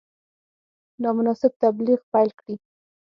نامناسب تبلیغ پیل کړي.